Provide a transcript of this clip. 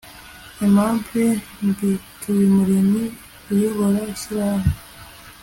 dr aimable mbituyumuremyi uyobora ishyirahamwe